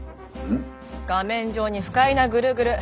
画面上に不快なぐるぐる。